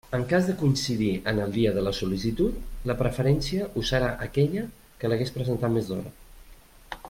En cas de coincidir en el dia de la sol·licitud, la preferència ho serà aquella que l'hagués presentat més d'hora.